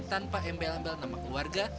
tanpa embel embel nama keluarga